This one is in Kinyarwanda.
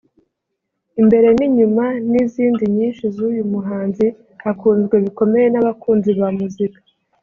Imbere n’inyuma n’izindi nyinshi z’uyu muhanzi zakunzwe bikomeye n'abakunzi ba muzika